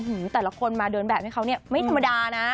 หือแต่ละคนมาเดินแบบให้เขาไม่ธรรมดานะ